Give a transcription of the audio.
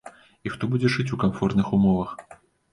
І хто будзе жыць у камфортных умовах?